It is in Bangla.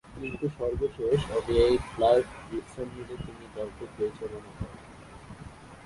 কিন্তু সর্বশেষ ওডিআইয়ে ক্লার্ক বিশ্রাম নিলে তিনি দলকে পরিচালনা করেন।